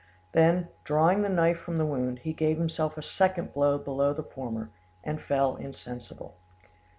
Then, drawing the knife from the wound, he gave himself a second blow below the former, and fell insensible.